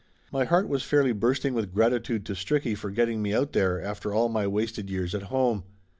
My heart was fairly bursting with gratitude to Stricky for getting me out there after all my wasted years at home.